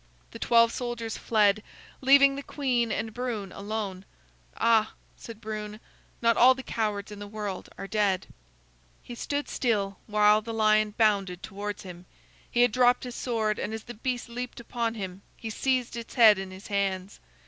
The twelve soldiers fled, leaving the queen and Brune alone. "Ah," said Brune, "not all the cowards in the world are dead." [Illustration: "The king touched him lightly with his sword"] He stood still while the lion bounded towards him. He had dropped his sword, and as the beast leaped upon him, he seized its head in his hands.